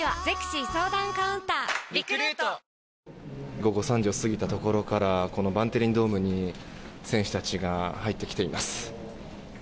午後３時を過ぎたところからバンテリンドームに選手たちが入ってきています。